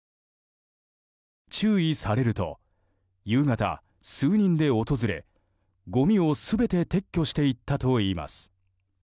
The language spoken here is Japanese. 注意されると夕方、数人で訪れごみを全て撤去していったといいます。